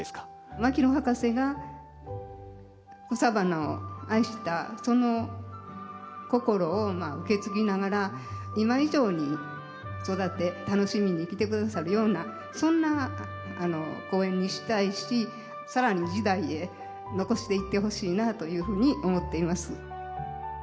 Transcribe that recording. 牧野博士が草花を愛したその心を受け継ぎながら今以上に育て楽しみに来てくださるようなそんな公園にしたいしさらに次代へ残していってほしいなというふうに思っています。